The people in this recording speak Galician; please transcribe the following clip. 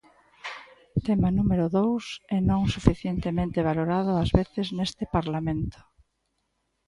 Tema número dous, e non suficientemente valorado ás veces neste parlamento.